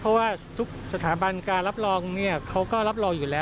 เพราะว่าทุกสถาบันการรับรองเขาก็รับรองอยู่แล้ว